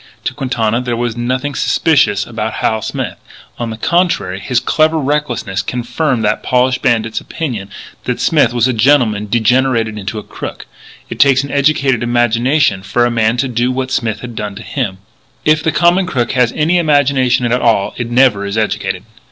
To Quintana there was nothing suspicious about Hal Smith. On the contrary, his clever recklessness confirmed that polished bandit's opinion that Smith was a gentleman degenerated into a crook. It takes an educated imagination for a man to do what Smith had done to him. If the common crook has any imagination at all it never is educated.